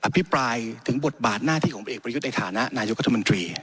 พิปรายถึงบทบาทหน้าที่ของเอกประยุทธ์ในฐานะนายกรัฐมนตรี